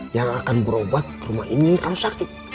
yang akan berobat rumah ini kalau sakit